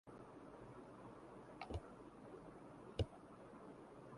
وہ بڑی احتیاط سے کھیلنا ہوگا چین کے